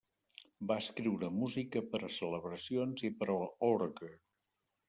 Va escriure música per a celebracions i per a orgue.